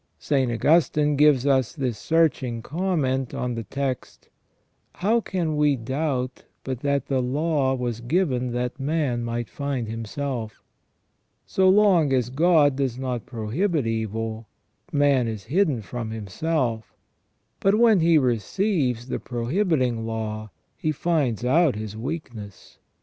St. Augustine gives us this searching comment on the text :" How can we doubt but that the law was given that man might find himself? So long as God does not prohibit evil, man is hidden from himself ; but when he receives the pro hibiting law he finds out his weakness.